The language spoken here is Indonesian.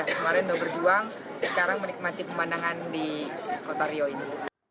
kemarin sudah berjuang sekarang menikmati pemandangan di kota rio ini